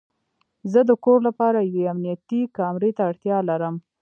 زه د کور لپاره یوې امنیتي کامرې ته اړتیا لرم